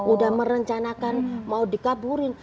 udah merencanakan mau dikaburin